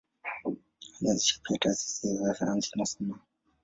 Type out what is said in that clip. Alianzisha pia taasisi za sayansi na sanaa.